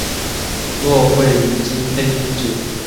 骆慧怡之配音组。